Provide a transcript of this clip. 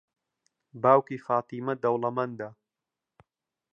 باوکی فاتیمە دەوڵەمەندە.